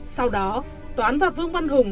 sau đó toán và vương văn hùng